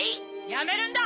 やめるんだ！